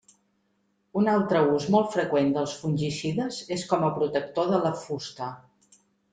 Un altre ús molt freqüent dels fungicides és com a protector de la fusta.